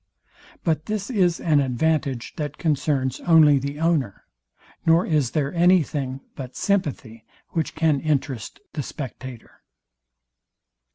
But this is an advantage, that concerns only the owner, nor is there any thing but sympathy, which can interest the spectator.